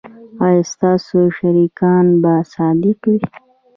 ایا ستاسو شریکان به صادق وي؟